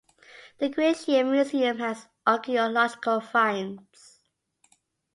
The Griesheim museum has archaeological finds.